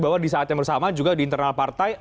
bahwa di saat yang bersama juga di internal partai